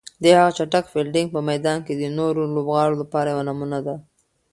د هغه چټک فیلډینګ په میدان کې د نورو لوبغاړو لپاره یوه نمونه ده.